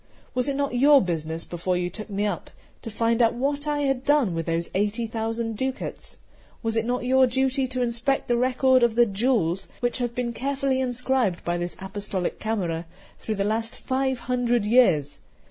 Was it not your business, before you took me up, to find out what I had done with those eighty thousand ducats? Was it not your duty to inspect the record of the jewels, which have been carefully inscribed by this Apostolic Camera through the last five hundred years?